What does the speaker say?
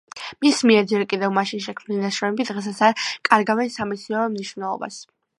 მის მიერ, ჯერ კიდევ მაშინ შექმნილი ნაშრომები დღესაც არ კარგავენ სამეცნიერო მნიშვნელობას.